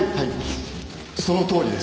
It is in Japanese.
そのとおりです。